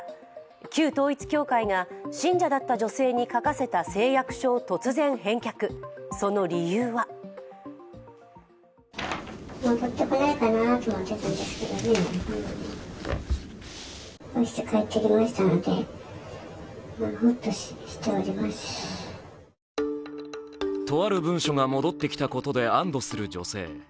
旧統一教会が信者だった女性に書かせた誓約書を突然返却、その理由はとある文書が戻ってきたことで安どする女性。